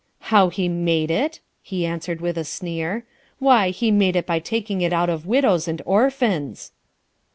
"How he made it?" he answered with a sneer. "Why he made it by taking it out of widows and orphans."